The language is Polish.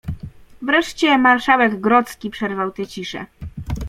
"Wreszcie marszałek grodzki przerwał tę ciszę."